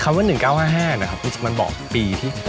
คำว่า๑๙๕๕มันบอกปีที่